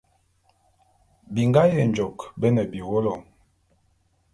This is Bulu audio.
Bingá Yenjôk bé ne biwólo.